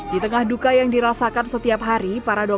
di tengah duka yang dirasakan setiap hari